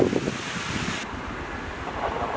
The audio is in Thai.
นี่